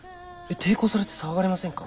抵抗されて騒がれませんか？